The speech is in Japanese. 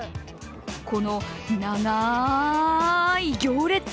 この長い行列。